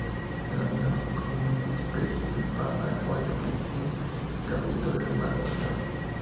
Se denominan comúnmente pez pipa-caballo pigmeo y caballito de mar bastardo.